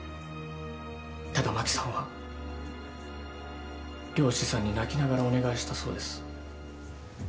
ただ真紀さんは漁師さんに泣きながらお願いしたそうです。